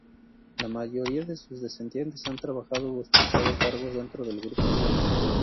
La mayoría de sus descendientes han trabajado u ostentado cargos dentro del grupo Samsung.